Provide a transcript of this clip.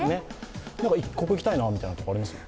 ここに行きたいなというところありますか？